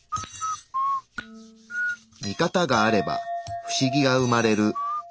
ミカタがあればフシギが生まれる。